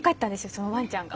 そのワンちゃんが。